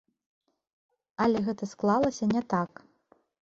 Але гэта склалася не так.